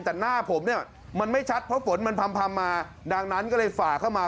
แต่หน้าผมเนี่ยมันไม่ชัดเพราะฝนมันพำพำมาดังนั้นก็เลยฝ่าเข้ามา